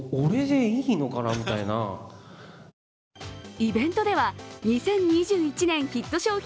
イベントでは、２０２１年ヒット商品